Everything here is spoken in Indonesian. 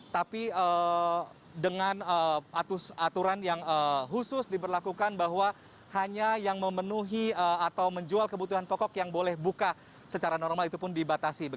tapi dengan aturan yang khusus diberlakukan bahwa hanya yang memenuhi atau menjual kebutuhan pokok yang boleh buka secara normal itu pun dibatasi